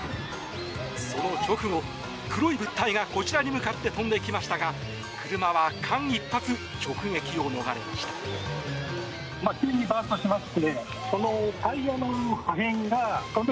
その直後、黒い物体がこちらに向かって飛んできましたが車は間一髪直撃を逃れました。